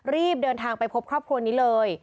รีบเดินทางไปพบครอบครัวนี้เลย